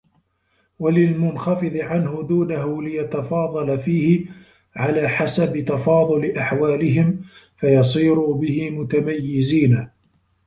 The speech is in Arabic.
وَلِلْمُنْخَفِضِ عَنْهُ دُونَهُ لِيَتَفَاضَلَ فِيهِ عَلَى حَسَبِ تَفَاضُلِ أَحْوَالِهِمْ فَيَصِيرُوا بِهِ مُتَمَيِّزِينَ